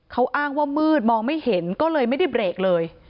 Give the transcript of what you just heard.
เขาอ้างว่ามืดมองไม่เห็นก็เลยไม่ได้เบรกเลย